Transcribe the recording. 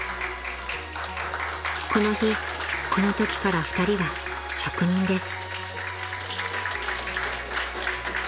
［この日この時から２人は職人です］